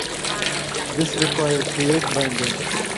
This requires late binding.